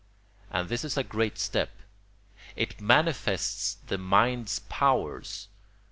And this is a great step. It manifests the mind's powers.